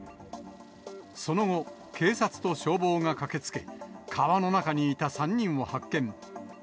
その後、警察と消防が駆けつけ、川の中にいた３人を発見。